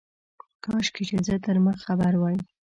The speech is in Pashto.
کاشکي چي زه تر مخ خبر وای.